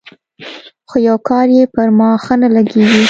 خو يو کار يې پر ما ښه نه لګېږي.